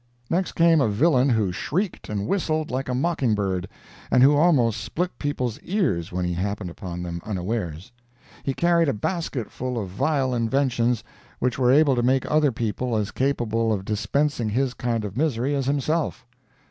Next came a villain who shrieked and whistled like a mocking bird, and who almost split people's ears when he happened upon them unawares. He carried a basket full of vile inventions, which were able to make other people as capable of dispensing his kind of misery as himself.